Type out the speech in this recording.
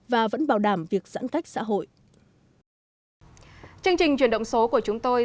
và vẫn bảo đảm việc giãn cách xã hội